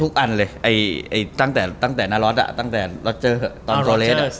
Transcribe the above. ทุกอันเลยตั้งแต่นารอสตั้งแต่ล็อเจอร์ตอนโทเลส